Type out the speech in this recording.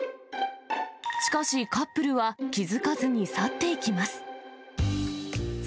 しかし、カップルは気付かずに去っていきます。